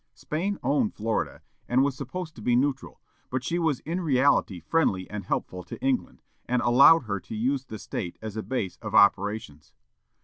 Spain owned Florida, and was supposed to be neutral, but she was in reality friendly and helpful to England, and allowed her to use the State as a base of operations.